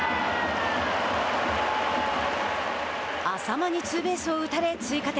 淺間にツーベースを打たれ追加点。